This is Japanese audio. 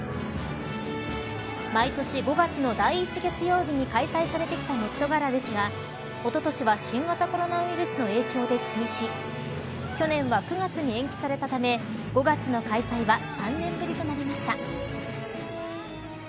毎年５月の第１月曜日に開催されてきたメット・ガラですがおととしは新型コロナウイルスの影響で中止去年は９月に延期されたため５月の開催は３年ぶりとなりました。